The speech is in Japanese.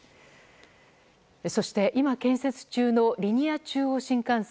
そして今、建設中のリニア中央新幹線。